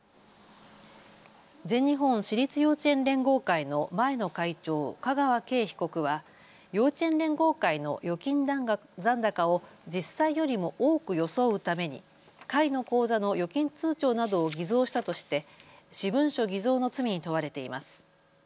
全日本私立幼稚園連合会の前の会長、香川敬被告は幼稚園連合会の預金残高を実際よりも多くよそおうために会の口座の預金通帳などを偽造したとして私文書偽造の罪に問われています。